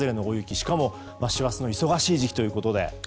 しかも、師走の忙しい時期ということで。